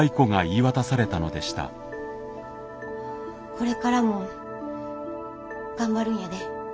これからも頑張るんやで。